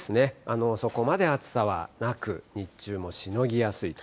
そこまで暑さはなく、日中もしのぎやすいと。